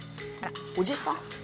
おじさん？